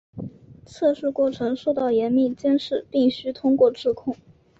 测试过程受到严密监视并须通过质控。